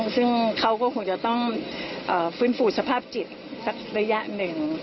ซึ่งเขาก็คงจะต้องฟื้นฟูสภาพจิตสักระยะหนึ่ง